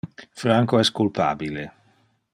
Franco es culpabile.